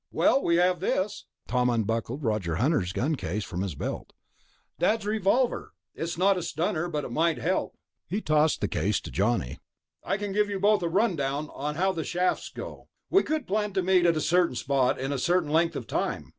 "Well, we have this." Tom unbuckled Roger Hunter's gun case from his belt. "Dad's revolver. It's not a stunner, but it might help." He tossed the case to Johnny. "I can give you both a rundown on how the shafts go. We could plan to meet at a certain spot in a certain length of time...."